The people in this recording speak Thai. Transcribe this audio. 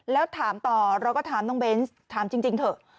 แล้วถามต่อเราก็ถามน้องเบนส์ถามจริงเถอะ